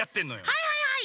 はいはいはい！